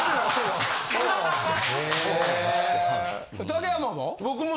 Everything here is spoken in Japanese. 竹山も？